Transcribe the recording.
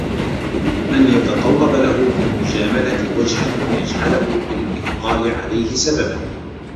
أَنْ يَتَطَلَّبَ لَهُ فِي الْمُجَامَلَةِ وَجْهًا وَيَجْعَلَهُ فِي الْإِفْضَالِ عَلَيْهِ سَبَبًا